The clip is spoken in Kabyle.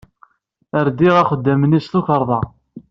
Rdiɣ axeddam-nni s tukerḍa.